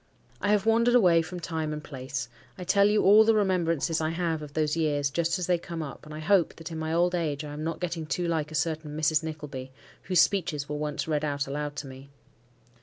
I have wandered away from time and place. I tell you all the remembrances I have of those years just as they come up, and I hope that, in my old age, I am not getting too like a certain Mrs. Nickleby, whose speeches were once read out aloud to me.